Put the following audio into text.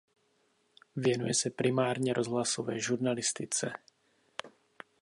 Věnuje se primárně rozhlasové žurnalistice.